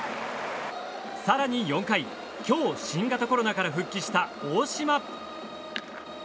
更に４回、今日、新型コロナから復帰した大島。